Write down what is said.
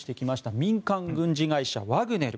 民間軍事会社ワグネル。